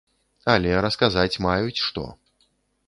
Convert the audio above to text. Але расказаць маюць што.